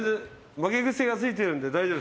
負け癖がついてるんで大丈夫。